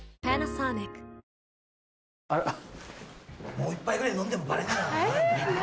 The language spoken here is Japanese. もう１杯ぐらい飲んでもバレねえだろ。